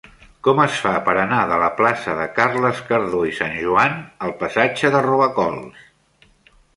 Com es fa per anar de la plaça de Carles Cardó i Sanjoan al passatge de Robacols?